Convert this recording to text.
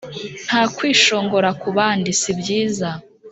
nta kwishongora kubandi sibyiza